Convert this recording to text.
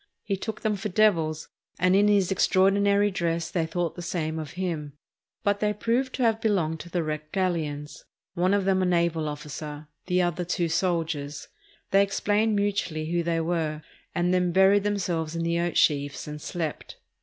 He took them for devils, and in his extraordinary 512 CAPTAIN CUELLAR AND HIS TROUBLES dress they thought the same of him ; but they proved to have belonged to the wrecked galleons; one of them a naval ofl&cer, the other two soldiers. They explained mutually who they were, and then buried themselves in the oat sheaves and slept.